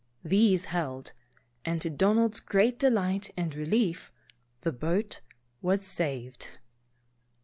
These held, and to Don ald's great delight and relief the boat was saved!